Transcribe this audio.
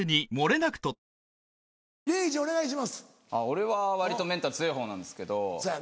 俺は割とメンタル強いほうなんですけど。